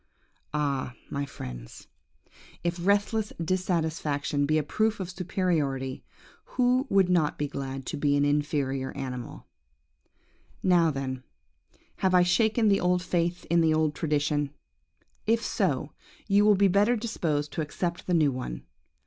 "Ah, my friends, if restless dissatisfaction be a proof of superiority, who would not be glad to be an inferior animal? "Now then, have I shaken the old faith in the old tradition? If so, you will be better disposed to accept the new one.